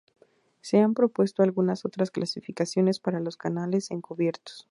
Se han propuesto algunas otras clasificaciones para los canales encubiertos.